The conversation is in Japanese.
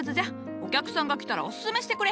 お客さんが来たらオススメしてくれ。